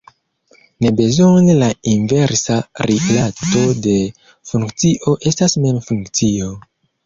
Ne bezone la inversa rilato de funkcio estas mem funkcio.